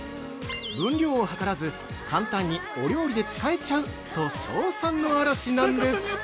「分量を量らず、簡単にお料理で使えちゃう」と称賛の嵐なんです。